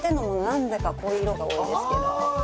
何でかこういう色が多いですけどあ